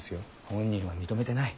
本人は認めてない。